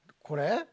これ？